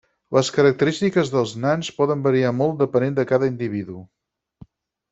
Les característiques dels nans poden variar molt depenent de cada individu.